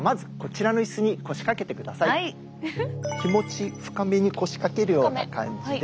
気持ち深めに腰掛けるような感じで。